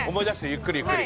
ゆっくりゆっくり。